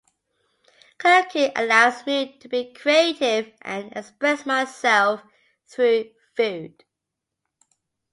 Cooking allows me to be creative and express myself through food.